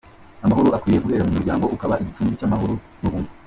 Amahoro akwiriye guhera mu muryango ukaba igicumbi cy’amahoro n’ubumwe.